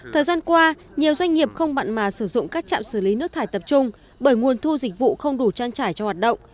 thời gian qua nhiều doanh nghiệp không mặn mà sử dụng các trạm xử lý nước thải tập trung bởi nguồn thu dịch vụ không đủ trang trải cho hoạt động